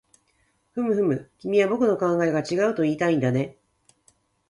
ふむふむ、君は僕の考えが違うといいたいんだね